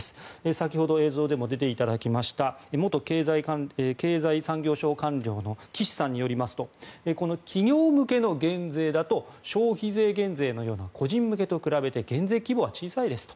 先ほど映像でも出ていただきました元経済産業省官僚の岸さんによりますと企業向けの減税だと消費税減税のような個人向けと比べて減税規模は小さいですと。